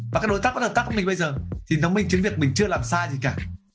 và cái đối tác có thể tắt mình bây giờ thì nó minh chứng việc mình chưa làm sai gì cả